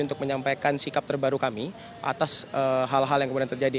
untuk menyampaikan sikap terbaru kami atas hal hal yang kemudian terjadi